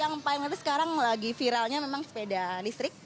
yang paling lapis sekarang lagi viralnya memang sepeda listrik